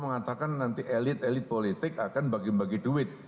mengatakan nanti elit elit politik akan bagi bagi duit